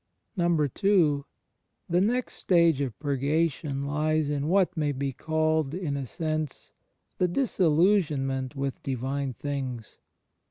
n. The next stage of Purgation lies in what may be called, in a sense, the Disillusionment with Divine things.